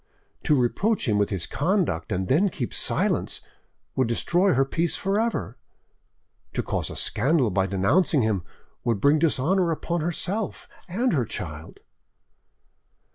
To reproach him with his conduct and then keep silence would destroy her peace for ever; to cause a scandal by denouncing him would bring dishonour upon herself and her child.